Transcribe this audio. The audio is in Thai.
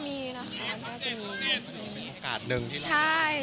มันเป็นโอกาสหนึ่งที่เราได้